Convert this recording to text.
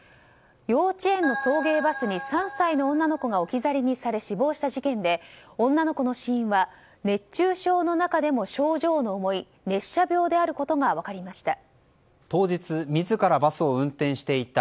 幼稚園の送迎バスに３歳の女の子が置き去りにされ死亡した事件で、女の子の死因は熱中症の中でも症状の重い熱射病であることが分かりました。